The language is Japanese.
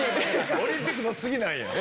オリンピックの次なんや。